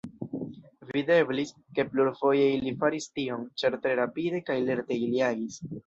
Videblis, ke plurfoje ili faris tion, ĉar tre rapide kaj lerte ili agis.